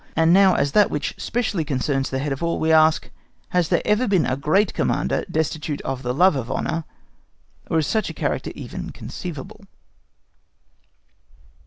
And now as to that which specially concerns the head of all, we ask, Has there ever been a great Commander destitute of the love of honour, or is such a character even conceivable?